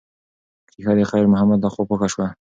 ښیښه د خیر محمد لخوا پاکه شوې وه.